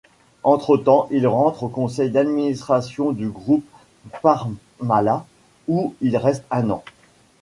Entre-temps, il rentre au conseil d'administration du groupe Parmalat où il reste un an.